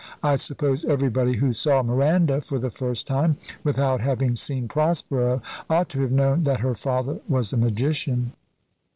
I suppose everybody who saw Miranda for the first time, without having seen Prospero, ought to have known that her father was a magician."